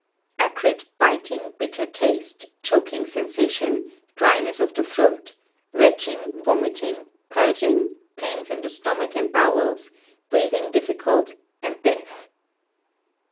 Acrid, biting, bitter taste, choking sensation, dryness of the throat, retching, vomiting, purging, pains in the stomach and bowels, breathing difficult, and death.